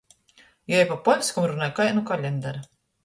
Jei pa poļskam runoj kai nu kalendara.